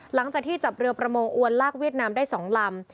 หลังจากที่จับเรือประมงอวนลากเวียดนามได้๒ลำ